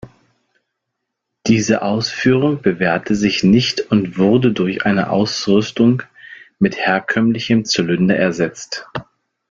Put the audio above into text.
Diese Ausführung bewährte sich nicht und wurde durch eine Ausrüstung mit herkömmlichen Zylinder ersetzt.